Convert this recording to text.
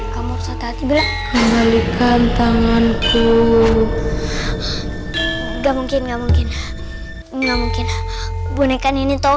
kamu satu hati belakang tanganku enggak mungkin enggak mungkin enggak mungkin boneka nini tau